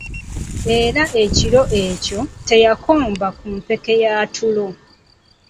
Era ekiro ekyo teyakomba ku mpeke ya tulo.